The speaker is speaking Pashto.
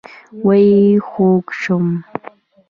وئ خوږ شوم